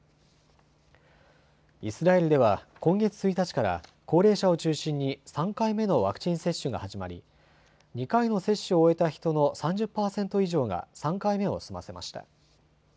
イスラエルでは今月１日から高齢者を中心に３回目のワクチン接種が始まり２回の接種を終えた人の３０％以上が３回目を済ませました。